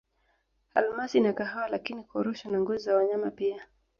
Almasi na kahawa lakini Korosho na ngozi za wanyama pia